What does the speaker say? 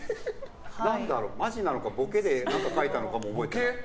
マジなのかボケで書いたのかも覚えてない。